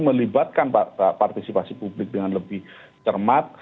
melibatkan partisipasi publik dengan lebih cermat